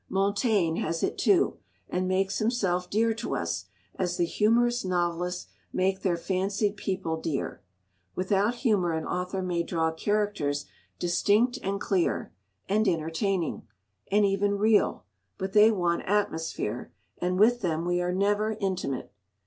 Montaigne has it too, and makes himself dear to us, as the humorous novelists make their fancied people dear. Without humour an author may draw characters distinct and clear, and entertaining, and even real; but they want atmosphere, and with them we are never intimate.